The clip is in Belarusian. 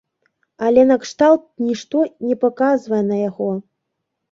Але накшталт нішто не паказвае на яго?